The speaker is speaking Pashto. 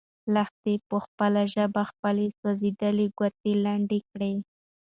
لښتې په خپله ژبه خپله سوځېدلې ګوته لنده کړه.